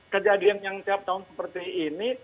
kejadian yang tiap tahun seperti ini